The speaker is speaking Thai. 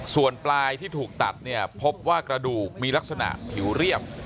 ส่วนปลายที่ถูกตัดเนี่ยพบว่ากระดูกมีลักษณะผิวเรียบ